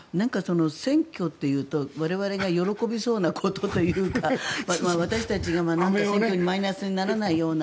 選挙というと我々が喜びそうなことというか私たちが選挙にマイナスにならないような。